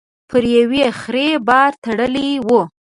پر يوې خرې بار تړلی و.